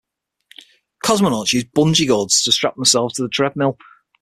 Cosmonauts used bungee cords to strap themselves to the treadmill.